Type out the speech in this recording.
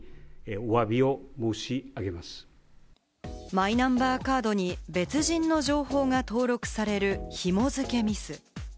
マイナンバーカードに別人の情報が登録される紐付けミス。